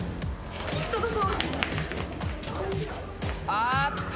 あっと！